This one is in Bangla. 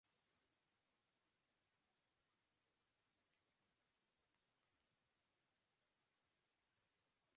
পরবর্তী দিনে তিনি আরেকটি পোস্টার প্রকাশ করেন।